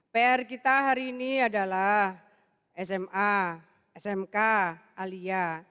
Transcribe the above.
pr kita hari ini adalah sma smk alia